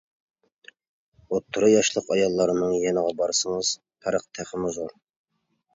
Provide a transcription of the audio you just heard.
ئوتتۇرا ياشلىق ئاياللارنىڭ يېنىغا بارسىڭىز، پەرق تېخىمۇ زور.